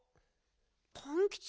パンキチ。